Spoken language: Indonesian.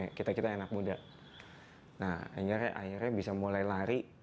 akhirnya kita bisa mulai lari dan kita bisa mencoba untuk mencoba